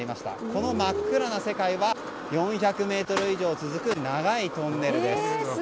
この真っ暗な世界は４００ｍ以上続く長いトンネルです。